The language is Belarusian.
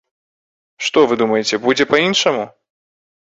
Што, вы думаеце, будзе па-іншаму?